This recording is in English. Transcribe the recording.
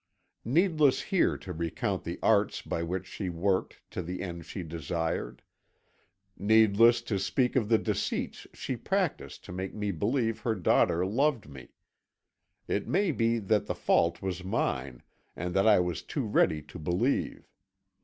"Needless here to recount the arts by which she worked to the end she desired; needless to speak of the deceits she practised to make me believe her daughter loved me. It may be that the fault was mine, and that I was too ready to believe.